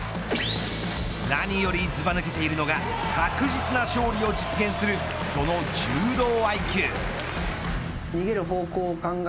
何よりずば抜けているのが確実な勝利を実現するその柔道ＩＱ。